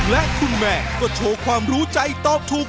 และคุณแม่ก็โชว์ความรู้ใจตอบถูก